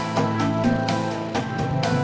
gue juga penat